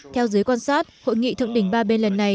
theo giới quan sát hội nghị thượng đỉnh ba bên lần này